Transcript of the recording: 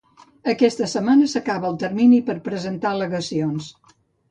Aquesta setmana s'acaba el termini per a presentar al·legacions.